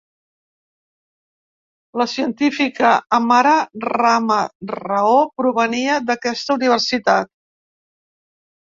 La científica Amara rama Rao provenia d'aquesta universitat.